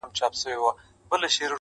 وايه څرنگه پرته وي پړسېدلې.!